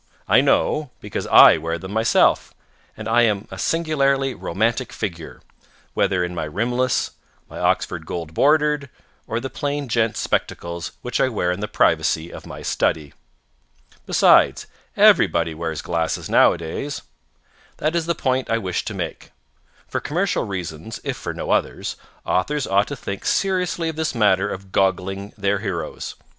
I know, because I wear them myself, and I am a singularly romantic figure, whether in my rimless, my Oxford gold bordered, or the plain gent's spectacles which I wear in the privacy of my study. Besides, everybody wears glasses nowadays. That is the point I wish to make. For commercial reasons, if for no others, authors ought to think seriously of this matter of goggling their heroes.